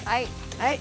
はい。